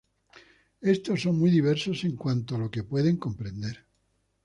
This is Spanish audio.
Estos son muy diversos en cuánto a lo que pueden comprender.